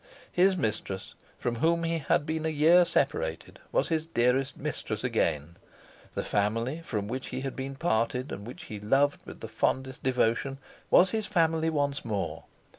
His mistress, from whom he had been a year separated, was his dearest mistress again. The family from which he had been parted, and which he loved with the fondest devotion, was his family once more.